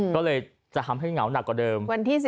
ก็เลยจะทำให้เหงาหนักกว่าเดิม